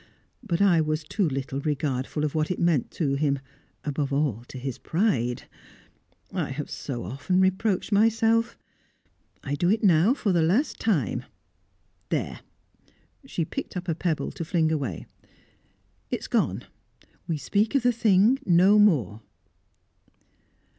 But I was too little regardful of what it meant to him above all to his pride. I have so often reproached myself. I do it now for the last time. There!" She picked up a pebble to fling away. "It is gone! We speak of the thing no more."